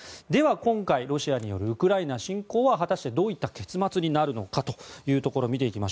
では今回、ロシアによるウクライナ侵攻は果たしてどういった結末になるのかというところ。